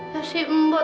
ya sih mbak